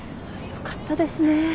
よかったですね。